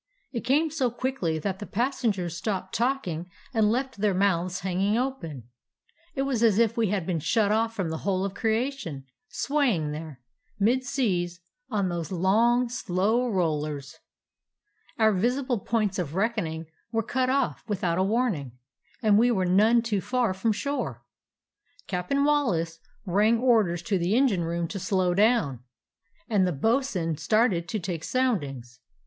It came so quickly that the pas sengers stopped talking and left their mouths hanging open. It was as if we had been shut off from the whole of creation, swaying there, mid seas, on those long, slow rollers. "Our visible points of reckoning were cut off without a warning, and we were none too far from shore. Cap'n Wallace rang or ders to the engine room to slow down, and the bo'sun started to take soundings.